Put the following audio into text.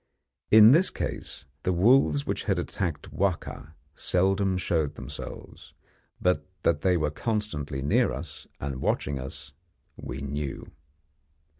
In this case, the wolves which had attacked Wahka seldom showed themselves, but that they were constantly near us, and watching us, we knew.